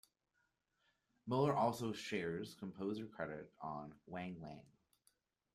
Mueller also shares composer credit on "Wang Wang".